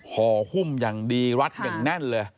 ห่อหุ้มอย่างดีรัดอย่างแน่นเลย